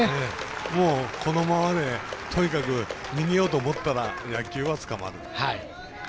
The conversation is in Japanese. もう、このままでとにかく逃げようと思ったら野球はつかまる。